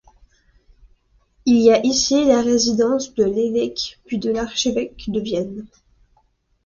Il y a ici la résidence de l'évêque puis de l'archevêque de Vienne.